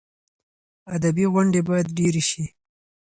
ادبي غونډې باید ډېرې شي.